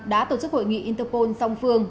đã tổ chức hội nghị interpol song phương